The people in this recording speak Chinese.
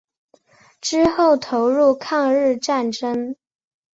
之后投入抗日战争。